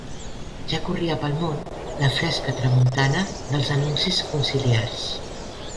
Ja corria pel món la fresca tramuntana dels anuncis conciliars.